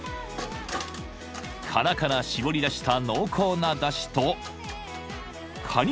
［殻から搾り出した濃厚なだしとカニ